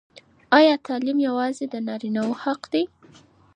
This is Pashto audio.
ایا تعلیم یوازې د نارینه وو حق دی؟